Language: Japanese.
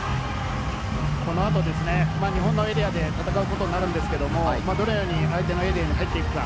この後ですね、日本のエリアで戦うことになるんですけれど、どのように相手のエリアに入っていくか。